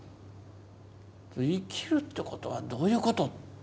生きるってことはどういうこと？